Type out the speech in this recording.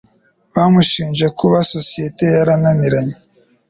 Bamushinje kuba sosiyete yarananiranye.